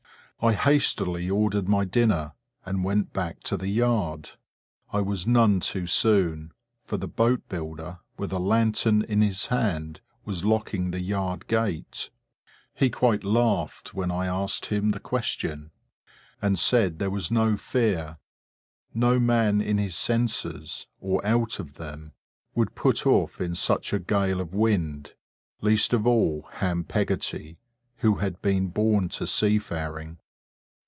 I hastily ordered my dinner, and went back to the yard. I was none too soon; for the boat builder, with a lantern in his hand, was locking the yard gate. He quite laughed, when I asked him the question, and said there was no fear; no man in his senses, or out of them, would put off in such a gale of wind, least of all Ham Peggotty, who had been born to seafaring.